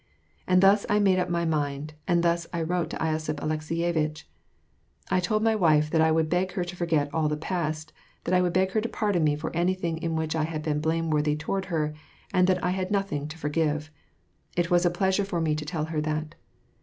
And thus I made up my mind, and thus I wrote to losiph Alekseyevitch. I told my wife that I would beg her to forget all the past, that I would beg her to pardon me for anything in which I had been blameworthy toward her, and that I had nothing to foiigive. It was a pleasure for me to tell her that.